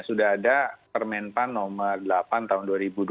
sudah ada permen pan nomor delapan tahun dua ribu dua puluh